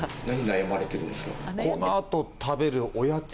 このあと食べるおやつ。